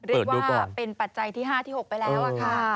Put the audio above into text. เรียกว่าเป็นปัจจัยที่๕ที่๖ไปแล้วค่ะ